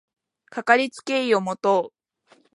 かかりつけ医を持とう